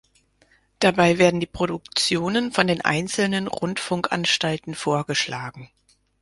Dabei werden die Produktionen von den einzelnen Rundfunkanstalten vorgeschlagen.